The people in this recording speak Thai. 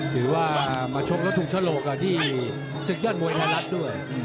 ถือว่ามาชมแล้วถูกฉลกที่ศึกยอดมวยไทยรัฐด้วย